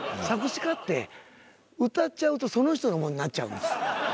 作詞家って歌っちゃうとその人のもんになっちゃうんです。